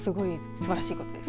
すばらしいことです。